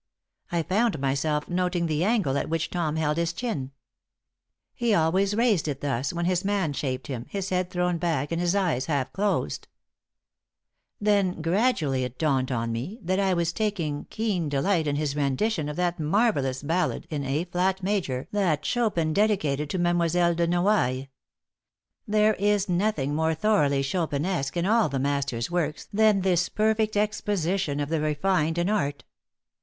I found myself noting the angle at which Tom held his chin. He always raised it thus when his man shaved him, his head thrown back and his eyes half closed. Then gradually it dawned on me that I was taking keen delight in his rendition of that marvelous ballade in A flat major that Chopin dedicated to Mlle. de Noailles. There is nothing more thoroughly Chopinesque in all the master's works than this perfect exposition of the refined in art.